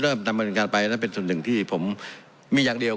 เพราะมันก็มีเท่านี้นะเพราะมันก็มีเท่านี้นะ